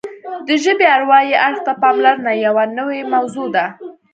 د ژبې اروايي اړخ ته پاملرنه یوه نوې موضوع ده